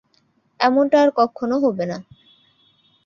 এমনটা আর কক্ষনো হবে না।